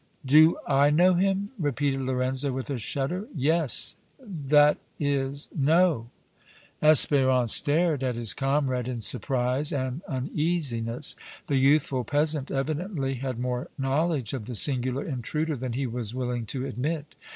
"Do I know him?" repeated Lorenzo, with a shudder. "Yes that is no!" Espérance stared at his comrade in surprise and uneasiness; the youthful peasant evidently had more knowledge of the singular intruder than he was willing to admit.